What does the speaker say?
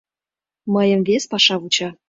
Мыйым вес паша вуча.